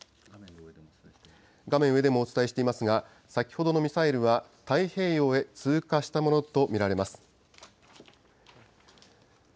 画面上でもお伝えしていますが、先ほどのミサイルは太平洋へ通過したものと見られます。